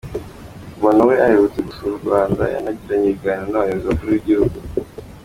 Bono we ahurutse gusura u Rwanda, yanagiranye ibiganiro n’abayobozi bakuru b’igihugu.